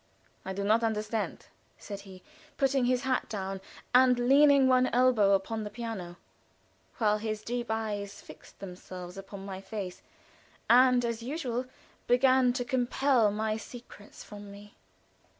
"I do not understand," said he, putting his hat down, and leaning one elbow upon the piano, while his deep eyes fixed themselves upon my face, and, as usual, began to compel my secrets from me.